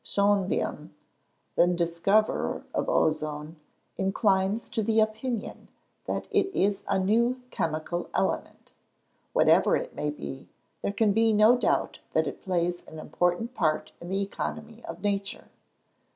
Schonbien, the discoverer of ozone, inclines to the opinion that it is a new chemical element. Whatever it may be, there can be no doubt that it plays an important part in the economy of nature.